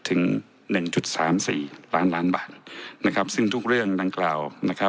ถึง๑๓๔ล้านบาทซึ่งทุกเรื่องดังกล่าว